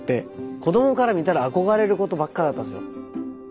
子どもから見たら憧れることばっかだったんですよ。